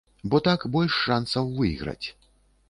Бо так больш шансаў выйграць.